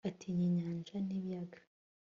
atinya inyanja n'ibiyaga